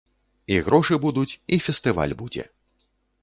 І грошы будуць, і фестываль будзе.